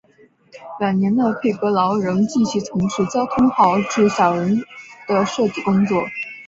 晚年的佩格劳仍继续从事交通号志小人的设计工作。